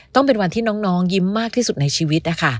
ต้องเป็นวันที่น้องยิ้มมากที่สุดในชีวิตนะคะ